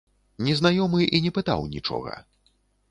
Незнаёмы і не пытаў нічога.